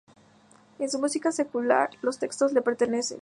En su música secular los textos le pertenecen.